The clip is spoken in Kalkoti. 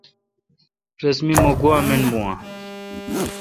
رس می مہ گوا من بھو اؘ۔